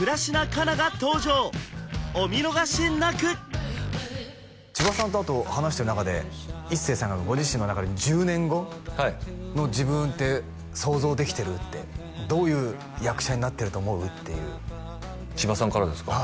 カナが登場お見逃しなく千葉さんとあと話してる中で一生さんがご自身の中で１０年後の自分って想像できてる？ってどういう役者になってると思う？っていう千葉さんからですか？